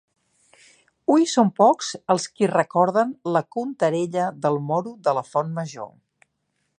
Hui són pocs els qui recorden la contarella del moro de la Font Major.